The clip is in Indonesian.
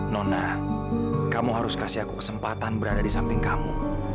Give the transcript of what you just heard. nona kamu harus kasih aku kesempatan berada di samping kamu